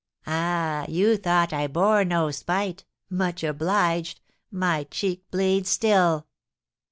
Ah, you thought I bore no spite much obliged my cheek bleeds still!"